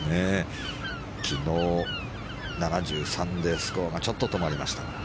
昨日、７３でスコアがちょっと止まりました。